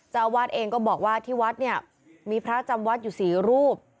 เจ้าอาวาสเองก็บอกว่าที่วัดเนี่ยมีพระจำวัดอยู่สี่รูป